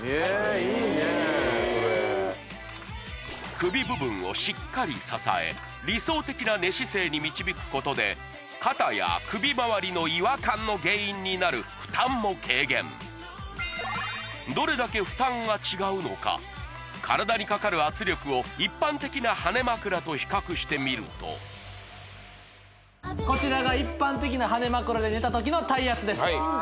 首部分をしっかり支え理想的な寝姿勢に導くことで肩や首まわりの違和感の原因になる負担も軽減どれだけ負担が違うのか体にかかる圧力を一般的な羽根まくらと比較してみるとこちらが一般的な羽根まくらで寝た時の体圧です